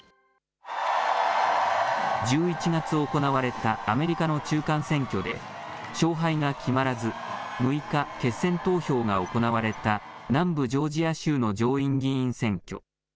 １１月行われたアメリカの中間選挙で、勝敗が決まらず、６日、決選投票が行われた南部ジョージア州の上院議員選挙。